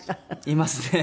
いますね。